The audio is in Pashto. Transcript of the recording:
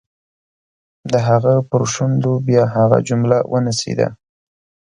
د هغه پر شونډو بیا هغه جمله ونڅېده.